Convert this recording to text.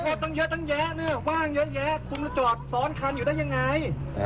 ตั้งเยอะตั้งแยะเนี่ยว่างเยอะแยะคุณมาจอดซ้อนคันอยู่ได้ยังไง